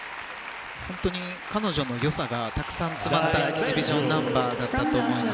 本当に彼女のよさがたくさん詰まったエキシビションナンバーだったと思います。